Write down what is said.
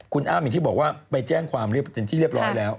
คุณอ้ำอย่างที่บอกว่าไปแจ้งความเป็นที่เรียบร้อยแล้ว